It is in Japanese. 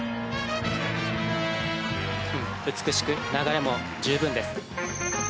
美しく、流れも十分です。